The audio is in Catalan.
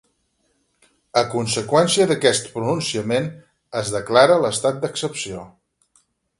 A conseqüència d'aquest pronunciament es declara l'estat d'excepció.